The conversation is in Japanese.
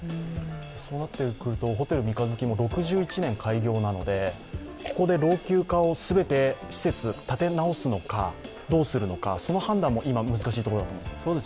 そうなってくると、ホテル三日月も６１年開業なので、ここで老朽化を全て施設、建て直すのかどうするのか、その判断も今、難しいところだと思います。